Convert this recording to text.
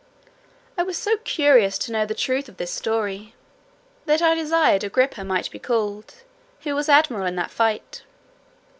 I was so curious to know the truth of this story, that I desired Agrippa might be called, who was admiral in that fight.